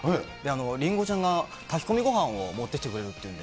りんごちゃんが炊き込みごはんを持ってきてくれるっていうんで。